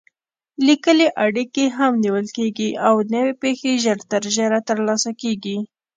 لیکلې اړیکې هم نیول کېږي او نوې پېښې ژر تر ژره ترلاسه کېږي.